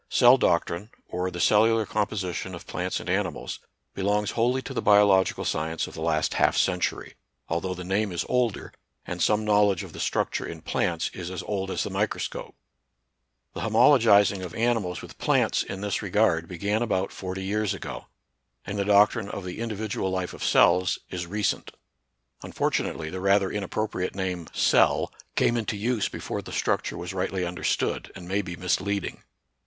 Cell doctrine, or the cellular composition of plants and animals, belongs wholly to the biological science of the last half century, al though the name is older, and some knowledge of the structure in plants is as old as the micro scope. The homologizing of animals with plants 30 NATURAL SCIENCE AND RELIGION. in this regard began about forty years ago ; and the doctrine of the individual Ufe of cells is re cent. Unfortunately the rather inappropriate name cell came into use before the structure was rightly understood, and may be misleading.